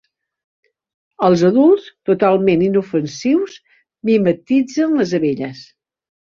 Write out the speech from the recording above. Els adults, totalment inofensius, mimetitzen les abelles.